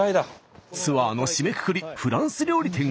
ツアーの締めくくりフランス料理店へ。